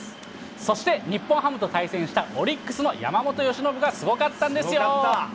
そして日本ハムと対戦したオリックスの山本由伸がすごかったんですよ。